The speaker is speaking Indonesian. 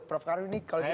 prof karim ini kalau kita